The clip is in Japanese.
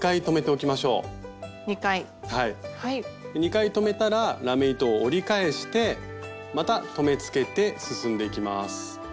２回留めたらラメ糸を折り返してまた留めつけて進んでいきます。